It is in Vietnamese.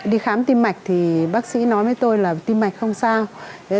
đi khám tim mạch thì bác sĩ nói với tôi là tim mạch không sao